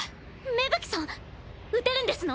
芽吹さん撃てるんですの？